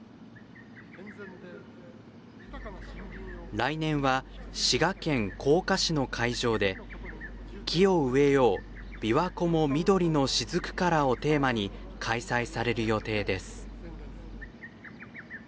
来年は滋賀県甲賀市の会場で「木を植えようびわ湖も緑のしずくから」をテーマに開催される予定です。